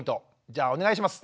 じゃあお願いします。